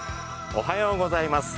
おはようございます。